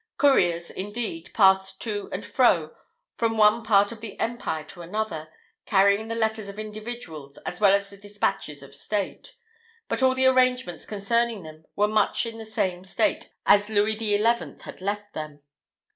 Couriers, indeed, passed to and fro from one part of the empire to another, carrying the letters of individuals, as well as the despatches of the state; but all the arrangements concerning them were much in the same state as Louis XI. had left them.